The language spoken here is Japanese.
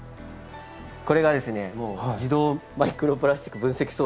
これが自動マイクロプラスチック分析装置